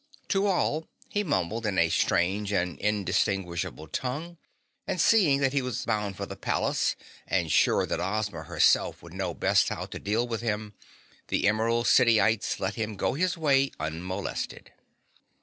To all he mumbled in a strange and indistinguishable tongue and seeing that he was bound for the palace, and sure that Ozma herself would know best how to deal with him, the Emerald City ites let him go his way unmolested.